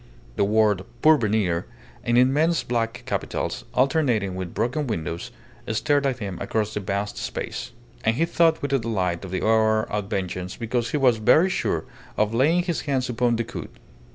The word "Pourvenir" in immense black capitals, alternating with broken windows, stared at him across the vast space; and he thought with delight of the hour of vengeance, because he was very sure of laying his hands upon Decoud.